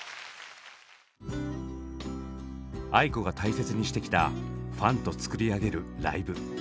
ａｉｋｏが大切にしてきたファンと作り上げるライブ。